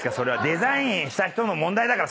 デザインした人の問題だから。